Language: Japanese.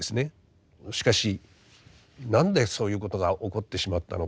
しかし何でそういうことが起こってしまったのか。